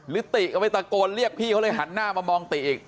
ติก็ไปตะโกนเรียกพี่เขาเลยหันหน้ามามองติอีก